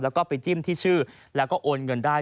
แล้วก็ไปจิ้มที่ชื่อแล้วก็โอนเงินได้